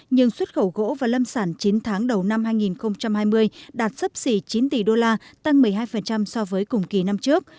nhưng xuất khẩu gỗ và lâm sản chín tháng đầu năm hai nghìn hai mươi đạt sấp xỉ chín tỷ đô la tăng một mươi hai so với cùng kỳ năm trước